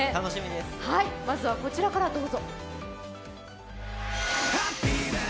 まずはこちらからどうぞ。